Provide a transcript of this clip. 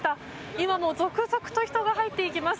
今も続々と人が入っていきます。